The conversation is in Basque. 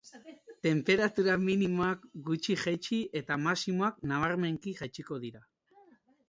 Tenperatura minimoak gutxi jaitsi eta maximoak nabarmenki jaitsiko dira.